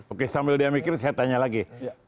oke sambil dia mikir saya tanya lagi